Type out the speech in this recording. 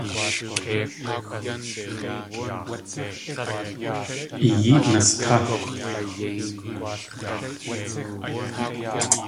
I yéet nastá!